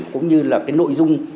cũng như là cái nội dung